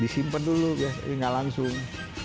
disimpan dulu ya ini nggak langsung